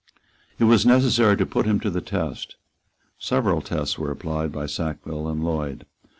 It was necessary to put him to the test. Several tests were applied by Sackville and Lloyd.